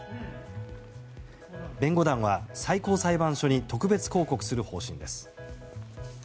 弁護団は最高裁判所に特別抗告する方針です。